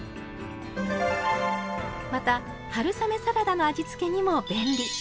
また春雨サラダの味付けにも便利。